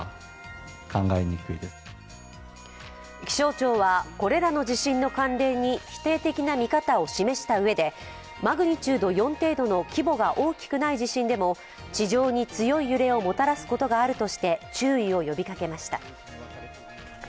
気象庁は、これらの地震の関連に否定的な見方を示したうえでマグニチュード４程度の規模が大きくない地震でも地上に強い揺れをもたらすことがあるとして注意を呼びかけました。